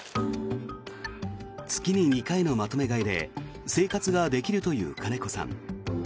月に２回のまとめ買いで生活ができるという金子さん。